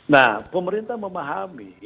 nah pemerintah memahami